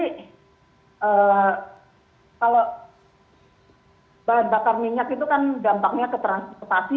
kalau bahan bakar minyak itu kan dampaknya ketransportasi